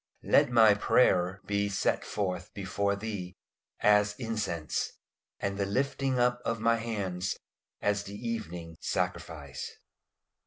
"LET MY PRAYER BE SET FORTH BEFORE THEE AS INCENSE: AND THE LIFTING UP OF MY HANDS AS THE EVENING SACRIFICE."